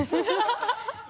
ハハハ